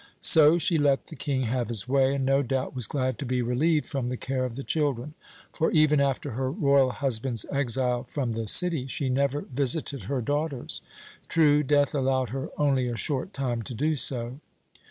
So she let the King have his way, and no doubt was glad to be relieved from the care of the children; for, even after her royal husband's exile from the city, she never visited her daughters. True, death allowed her only a short time to do so.